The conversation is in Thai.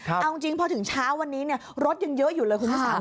เอาจริงพอถึงเช้าวันนี้รถยังเยอะอยู่เลยคุณผู้ชม